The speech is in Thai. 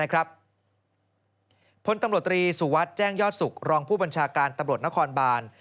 คนตำรวจตรีสุวัสดิ์แจ้งยอดสุขรองผู้บัญชาการตำรวจนครบาน